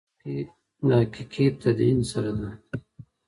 دا په ټولنه کې د حقیقي تدین سره ده.